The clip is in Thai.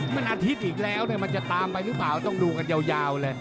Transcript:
มันอาทิตย์อีกแล้วมันจะตามไปหรือเปล่าต้องดูกันยาวเลย